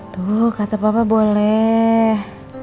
tuh kata papa boleh